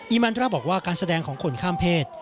มันดราบอกว่าการแสดงของคนข้ามเพศ